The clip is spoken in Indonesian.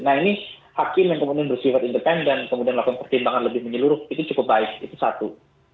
nah ini hakim yang kemudian bersifat independen kemudian melakukan pertimbangan lebih menyeluruh itu cukup baik itu satu